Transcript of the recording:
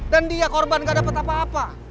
dan dia korban gak dapat apa apa